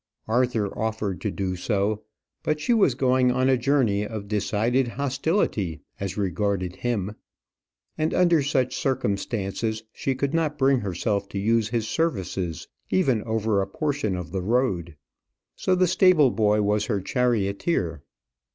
Arthur offered to do so; but she was going on a journey of decided hostility as regarded him, and under such circumstances she could not bring herself to use his services even over a portion of the road. So the stable boy was her charioteer.